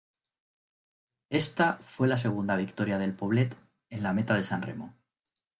Ésta fue la segunda victoria del Poblet en la meta de San Remo.